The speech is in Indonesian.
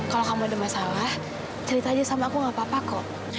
kalau kamu ada masalah cerita aja sama aku gak apa apa kok